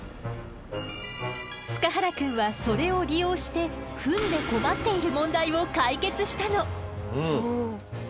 塚原くんはそれを利用して糞で困っている問題を解決したの。